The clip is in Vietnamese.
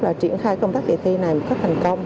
và triển khai công tác kỳ thi này một cách thành công